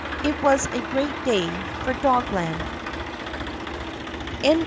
It was a great day for Dogland.